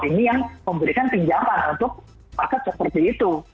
ini yang memberikan pinjaman untuk market seperti itu